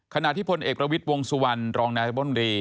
ขณะที่พลเอกประวิทย์วงสุวรรณรองนายบนตรี